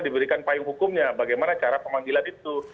diberikan payung hukumnya bagaimana cara pemanggilan itu